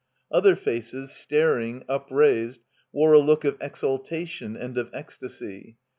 Other faces, staring, upraised, wore a look of exaltation and of ecstasy.